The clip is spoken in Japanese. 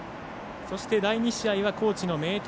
第２試合は高知の明徳